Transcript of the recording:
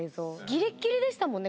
ギリッギリでしたもんね